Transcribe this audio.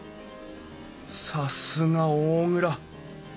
さすが大蔵。